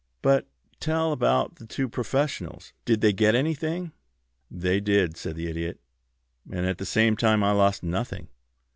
"But tell about the two professionals. Did they get anything?" "They did," said the Idiot. "And at the same time I lost nothing.